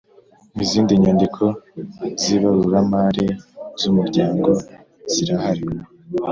Izindi nyandiko z’ ibaruramari z’umuryango zirahari.